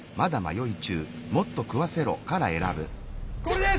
これです！